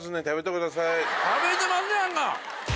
食べてますやんか！